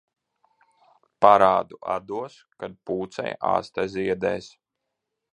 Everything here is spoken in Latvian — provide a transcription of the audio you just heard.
Parādu atdos, kad pūcei aste ziedēs.